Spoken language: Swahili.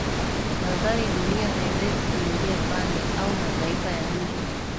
nadhani dunia haiwezi kuingia pale au mataifa ya nje